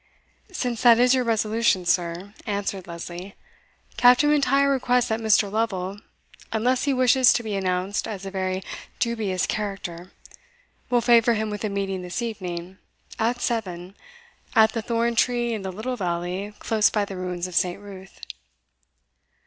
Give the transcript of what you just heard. "Since that is your resolution, sir," answered Lesley, "Captain M'Intyre requests that Mr. Lovel, unless he wishes to be announced as a very dubious character, will favour him with a meeting this evening, at seven, at the thorn tree in the little valley close by the ruins of St. Ruth."